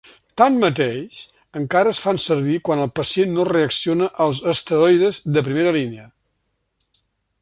Tanmateix, encara es fan servir quan el pacient no reacciona als esteroides de primera línia.